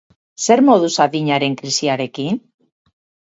Zer moduz adinaren krisiarekin?